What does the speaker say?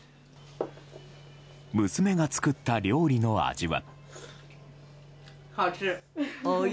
娘が作った料理の味は。